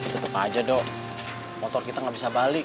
tetep aja dok motor kita gak bisa balik